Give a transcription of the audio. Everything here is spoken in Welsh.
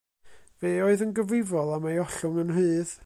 Fe oedd yn gyfrifol am ei ollwng yn rhydd.